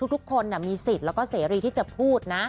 ทุกคนมีสิทธิ์แล้วก็เสรีที่จะพูดนะ